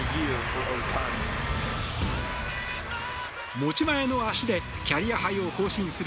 持ち前の足でキャリアハイを更新する